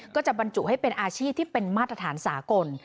ก็จะบรรจุให้เป็นอาชีพที่เป็นมาตรฐานสากล